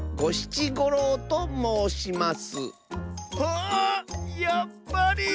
あやっぱり！